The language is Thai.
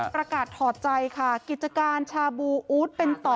ประกาศถอดใจค่ะกิจการชาบูอู๋เป็นต่อ